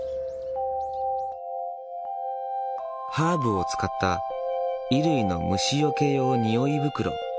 ハーブを使った衣類の虫よけ用匂い袋。